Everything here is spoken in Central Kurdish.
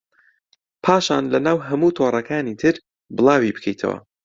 پاشان لەناو هەموو تۆڕەکانی تر بڵاوی بکەیتەوە